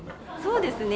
そうですね。